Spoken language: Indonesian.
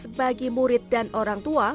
pemerintah juga mencari teman dan orang tua